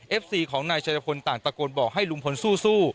ซีของนายชายพลต่างตะโกนบอกให้ลุงพลสู้